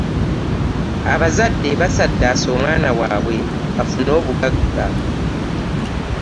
Abazadde basaddaase omwana wabwe bafune obuggaga.